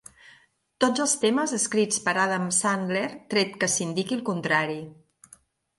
Tots els temes escrits per Adam Sandler, tret que s'indiqui el contrari.